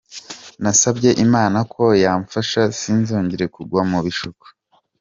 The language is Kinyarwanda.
Nasabye Imana ko yamfasha sinzongere kugwa mu bishuko.